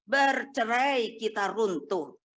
bercerai kita runtuh